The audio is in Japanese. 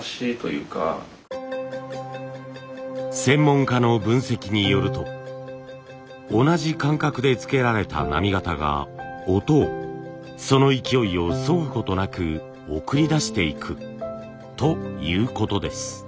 専門家の分析によると同じ間隔でつけられた波型が音をその勢いをそぐことなく送り出していくということです。